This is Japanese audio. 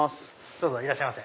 どうぞいらっしゃいませ。